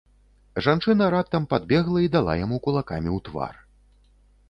Жанчына раптам падбегла і дала яму кулакамі ў твар.